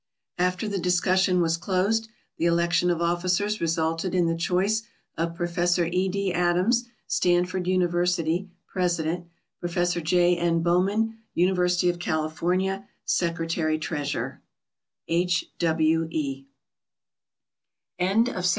After the discussion was closed, the election of officers resulted in the choice of Professor E. D. Adams, Stanford University, president; Prof. J. N. Bowman, University of California, secretary treasurer. H. W. E.